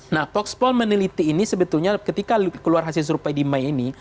nah voxpol meneliti ini sebetulnya ketika keluar hasil survei di mei ini